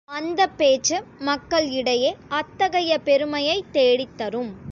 அந்தப் பேச்சு மக்கள் இடையே அத்தகைய பெருமையைத் தேடித் தரும்.